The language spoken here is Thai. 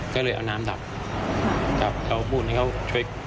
ก็เลยเอาน้ำดับแล้วพูดให้เขาช่วย